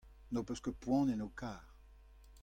n'ho peus ket poan en ho kar.